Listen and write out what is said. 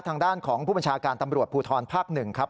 ทางด้านของผู้บัญชาการตำรวจภูทรภาค๑ครับ